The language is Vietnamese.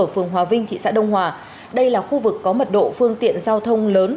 ở phường hòa vinh thị xã đông hòa đây là khu vực có mật độ phương tiện giao thông lớn